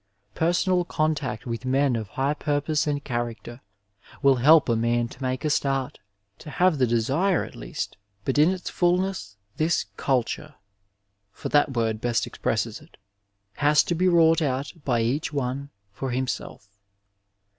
Personal contact with men of high pur pose and character will help a man to make a start — ^to have the desire, at least, but in its fulness this culture — ^for that word best expresses it — ^has to be wrought out by each one for himself.